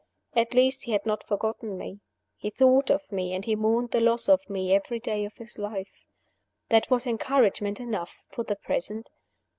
At least he had not forgotten me; he thought of me, and he mourned the loss of me every day of his life. That was encouragement enough for the present.